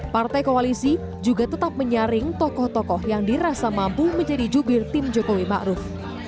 partai koalisi juga tetap menyaring tokoh tokoh yang dirasa mampu menjadi jubir tim jokowi ⁇ maruf ⁇